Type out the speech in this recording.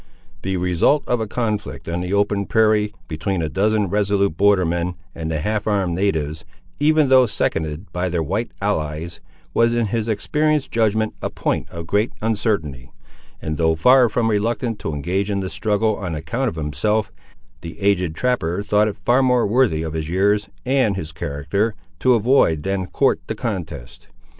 The result of a conflict on the open prairie, between a dozen resolute border men, and the half armed natives, even though seconded by their white allies, was in his experienced judgment a point of great uncertainty, and though far from reluctant to engage in the struggle on account of himself, the aged trapper thought it far more worthy of his years, and his character, to avoid than to court the contest.